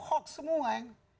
itu hoax semua ya